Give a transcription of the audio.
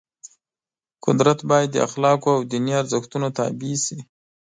قدرت باید د اخلاقو او دیني ارزښتونو تابع شي.